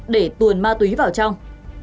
để tuồn ma túy vào trong